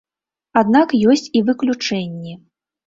Аднак ёсць і выключэнні.